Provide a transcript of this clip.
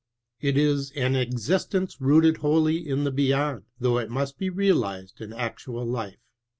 It is an existence rooted wholly in the beyond, thoui^h it must be realized in actual life.